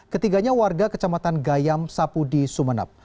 ketiganya warga kecamatan gayam sapudi sumeneb